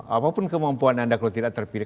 apapun kemampuan anda kalau tidak terpilih